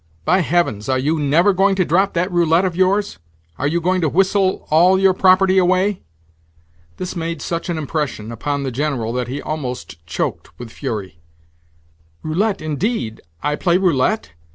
_ By heavens, are you never going to drop that roulette of yours? Are you going to whistle all your property away?" This made such an impression upon the General that he almost choked with fury. "Roulette, indeed? I play roulette?